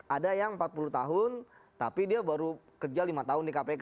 ada yang empat puluh tahun tapi dia baru kerja lima tahun di kpk